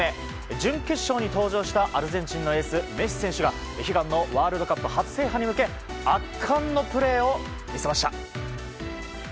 準決勝に登場したアルゼンチンのエースメッシ選手が悲願のワールドカップ初制覇に向け圧巻のプレーを見せました。